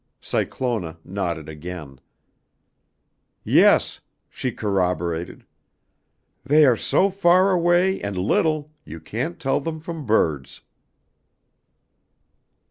Cyclona nodded again. "Yes," she corroborated, "they are so far away and little you can't tell them from birds."